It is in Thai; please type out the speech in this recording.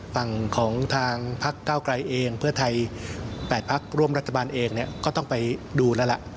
ฟั่งของทางภักร์๙กรายเองเพื่อไทย๘ภักรุ่มรัฐบาลเองก็ต้องไปดูแล้ว